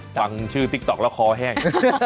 ฟังชื่อติ๊กต๊อกแล้วคอแห้ง